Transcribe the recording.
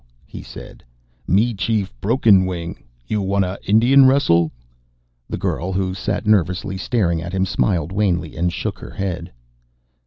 he said. "Me Chief Broken Wing. You wanta Indian wrestle?" The girl, who sat nervously staring at him, smiled wanly, and shook her head.